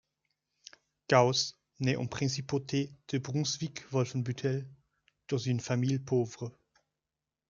Gauss naît en principauté de Brunswick-Wolfenbüttel, dans une famille pauvre.